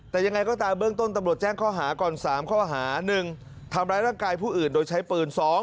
แต่ยังไงก็ตามเบื้องต้นตำรวจแจ้งข้อหาก่อน๓ข้อหา๑ทำร้ายร่างกายผู้อื่นโดยใช้ปืน๒